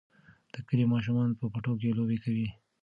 د کلي ماشومان په پټیو کې لوبې کوي.